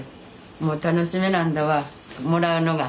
もう楽しみなんだわもらうのが。